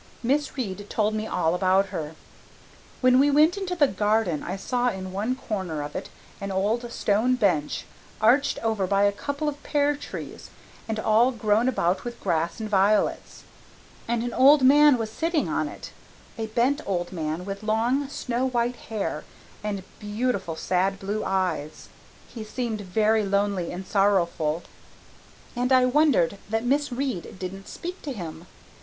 Miss Reade told me all about her. When we went into the garden I saw in one corner of it an old stone bench arched over by a couple of pear trees and all grown about with grass and violets. And an old man was sitting on it a bent old man with long, snow white hair and beautiful sad blue eyes. He seemed very lonely and sorrowful and I wondered that Miss Reade didn't speak to him.